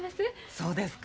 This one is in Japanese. そうですか。